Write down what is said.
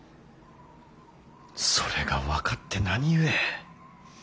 それが分かって何故。